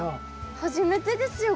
初めてですよ